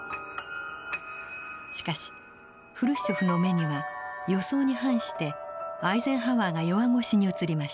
しかしフルシチョフの目には予想に反してアイゼンハワーが弱腰に映りました。